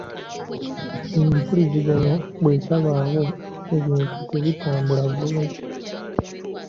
Empuliziganya bw'etabaawo ebintu tebitambula bulungi.